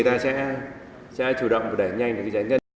tức là giao quyền